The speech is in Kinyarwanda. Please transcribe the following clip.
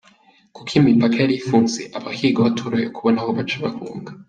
Kuko imipaka yari ifunze, abahigwa batorohewe kubona aho baca bahunga ».